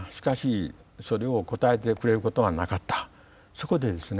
そこでですね